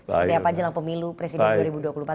seperti apa jelang pemilu presiden dua ribu dua puluh empat